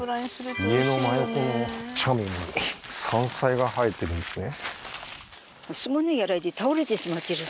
家の真横の近くに山菜が生えてるんですね